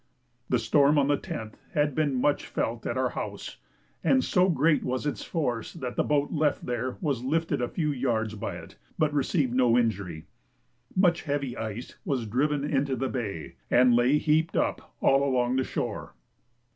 The storm of the 10th had been much felt at our house, and so great was its force that the boat left there was lifted a few yards by it, but received no injury. Much heavy ice was driven into the bay and lay heaped up all along the shore.